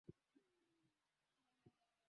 ikiwa na waakilishi watatu kutoka upande wa pnu